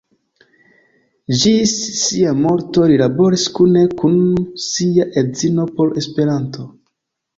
Ĝis sia morto li laboris kune kun sia edzino por Esperanto.